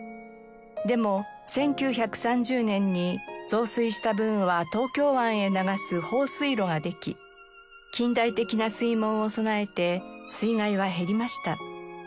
でも１９３０年に増水した分は東京湾へ流す放水路ができ近代的な水門を備えて水害は減りました。